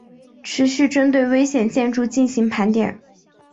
持续针对危险建筑进行盘点